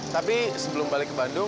tapi sebelum balik ke bandung